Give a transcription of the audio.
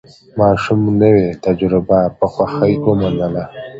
ماشوم نوې تجربه په خوښۍ ومنله